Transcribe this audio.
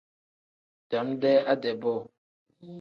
Dam-dee ade-bo.